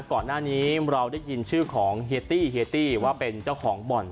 ก่อนหน้านี้เราได้ยินชื่อของเฮียตี้เฮียตี้ว่าเป็นเจ้าของบ่อน